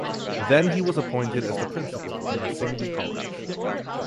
Then he was appointed as the principal of Narsingdi College.